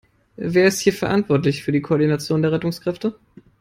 Wer ist hier verantwortlich für die Koordination der Rettungskräfte?